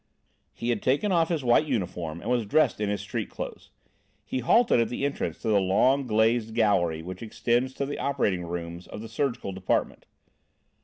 He had taken off his white uniform and was dressed in his street clothes. He halted at the entrance to the long glazed gallery which extends to the operating rooms of the surgical department.